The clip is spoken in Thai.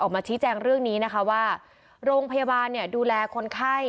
ออกมาชี้แจงเรื่องนี้นะคะว่าโรงพยาบาลเนี่ยดูแลคนไข้